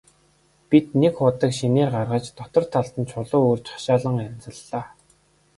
Бид нэг худаг шинээр гаргаж, дотор талд нь чулуу өрж хашаалан янзаллаа.